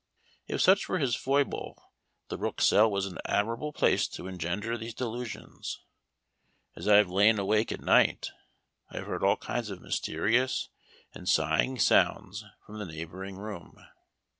If such were his foible, the Rook Cell was an admirable place to engender these delusions. As I have lain awake at night, I have heard all kinds of mysterious and sighing sounds from the neighboring ruin.